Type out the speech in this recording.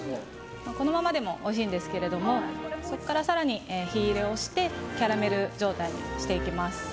このままでもおいしいんですけどそこから更に火入れをしてキャラメル状態にしていきます。